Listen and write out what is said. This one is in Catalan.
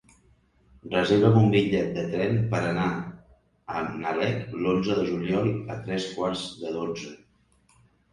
Reserva'm un bitllet de tren per anar a Nalec l'onze de juliol a tres quarts de dotze.